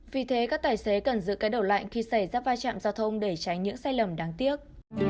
vì thế các tài xế cần giữ cái đầu lạnh khi xảy ra vai trạm giao thông để tránh những sai lầm đáng tiếc